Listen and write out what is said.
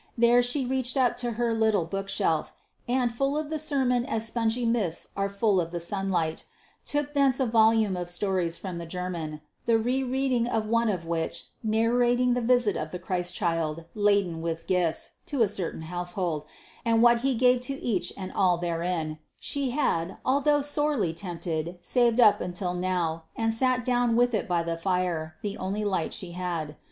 There she reached up to her little bookshelf, and, full of the sermon as spongy mists are full of the sunlight, took thence a volume of stories from the German, the re reading of one of which, narrating the visit of the Christ child, laden with gifts, to a certain household, and what he gave to each and all therein, she had, although sorely tempted, saved up until now, and sat down with it by the fire, the only light she had.